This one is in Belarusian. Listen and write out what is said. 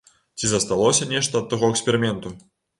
Ці засталося нешта ад таго эксперыменту?